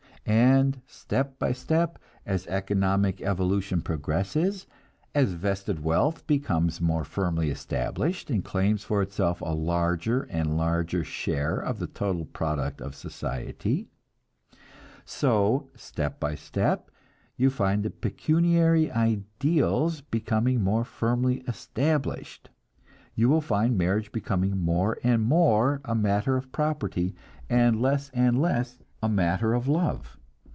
And step by step, as economic evolution progresses, as vested wealth becomes more firmly established and claims for itself a larger and larger share of the total product of society so step by step you find the pecuniary ideals becoming more firmly established, you find marriage becoming more and more a matter of property, and less and less a matter of love.